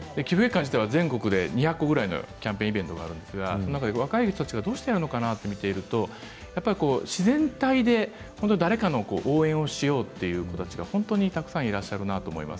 全国で２００個ぐらいのキャンペーンイベントがあるんですけれど若い人たちがどうしてやるのかなと思って見ていると自然体で誰かの応援をしようという方が本当にたくさんいらっしゃると思います。